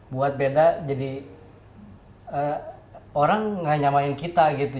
buat beda jadi orang gak nyamain kita gitu